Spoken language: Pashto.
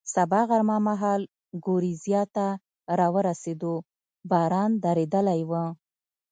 سبا غرمه مهال ګورېزیا ته را ورسېدو، باران درېدلی و.